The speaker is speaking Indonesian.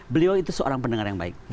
beliau itu seorang pendengar yang baik